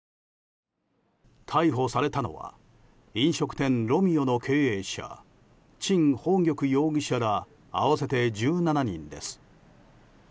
逮捕されたのは飲食店ＲＯＭＥＯの経営者チン・ホウギョク容疑者ら合わせて１７人です。